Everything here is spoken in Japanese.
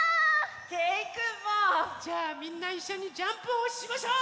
けいくんも！じゃあみんないっしょにジャンプをしましょう！